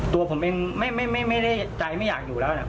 ตัวผมเองไม่ได้ใจไม่อยากอยู่แล้วนะ